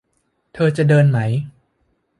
เธอจะเดินไหม